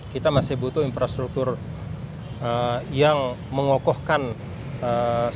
kita masih butuh infrastruktur yang mengokohkan sistem logistik